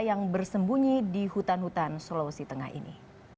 yang bersembunyi di hutan hutan sulawesi tengah ini